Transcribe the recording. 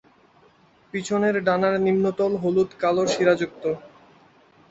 পিছনের ডানার নিম্নতল হলুদ কালো শিরা যুক্ত।